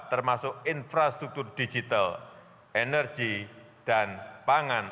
termasuk infrastruktur digital energi dan pangan